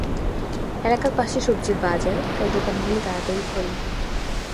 এলাকার পাশে সবজির বাজার, তাই দোকানগুলি তাড়াতাড়ি খোলে।